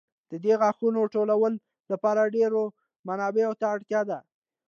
د دې غاښونو ټولولو لپاره ډېرو منابعو ته اړتیا ده.